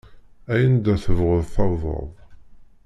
Ay anda tebɣuḍ tawḍeḍ.